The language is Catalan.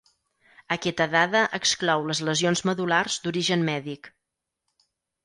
Aquesta dada exclou les lesions medul·lars d'origen mèdic.